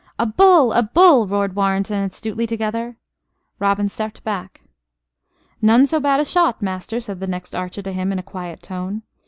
"A bull! A bull!" roared Warrenton and Stuteley, together. Robin stepped back. "None so bad a shot, master," said the next archer to him, in a quiet tone.